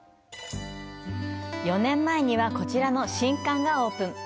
４年前には、こちらの新館がオープン。